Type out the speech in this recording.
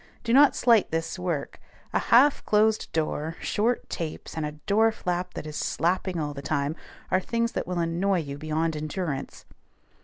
Do not slight this work: a half closed door, short tapes, and a door flap that is slapping all the time, are things that will annoy you beyond endurance.